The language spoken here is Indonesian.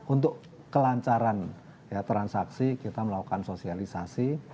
untuk kelancaran transaksi kita melakukan sosialisasi